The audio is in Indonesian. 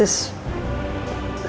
pengen bekerja di rumah